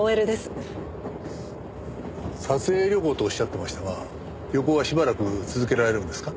撮影旅行とおっしゃってましたが旅行はしばらく続けられるんですか？